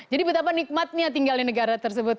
jadi betapa nikmatnya tinggal di negara tersebut